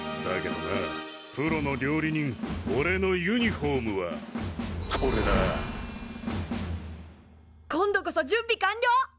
だけどなプロの料理人おれのユニフォームはこれだ！今度こそ準備完了！